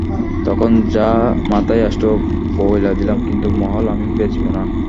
তখন যা মাথায় আসলো, বইলা দিলাম, কিন্তু মহল আমি বেচবো না।